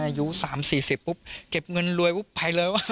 อายุ๓๔๐ปุ๊บเก็บเงินรวยปุ๊บไปเลย